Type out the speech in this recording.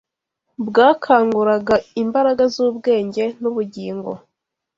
bwakanguraga imbaraga z’ubwenge n’ubugingo